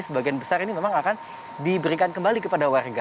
sebagian besar ini memang akan diberikan kembali kepada warga